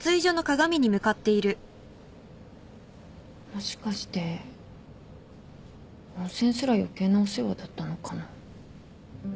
もしかして温泉すら余計なお世話だったのかな。